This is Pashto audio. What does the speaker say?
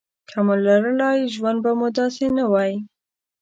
که مو لرلای ژوند به مو داسې نه وای.